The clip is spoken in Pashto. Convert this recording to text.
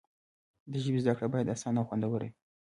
د ژبې زده کړه باید اسانه او خوندوره وي.